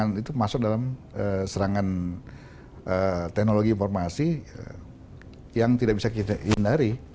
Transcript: dan itu masuk dalam serangan teknologi informasi yang tidak bisa kita hindari